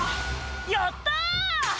「やった！」